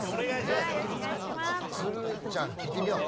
鶴ちゃん聞いてみよう。